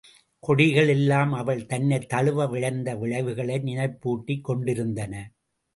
கொடிகள் எல்லாம் அவள் தன்னைத் தழுவ விழைந்த விழைவுகளை நினைப்பூட்டிக் கொண்டிருந்தன.